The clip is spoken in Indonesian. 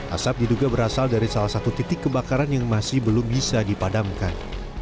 asap diduga berasal dari salah satu titik kebakaran yang masih belum bisa dipadamkan